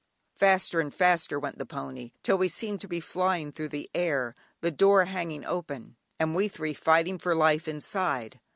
Faster and faster went the pony, till we seemed to be flying through the air, the door hanging open, and we three fighting for life inside.